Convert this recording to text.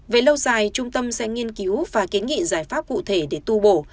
về lâu dài trung tâm sẽ nghiên cứu và kiến nghị giải pháp cụ thể để tu bổ